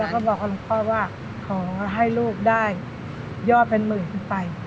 แล้วก็บอกกับหลวงพ่อว่าขอให้ลูกได้ยอดเป็นหมื่นขึ้นไป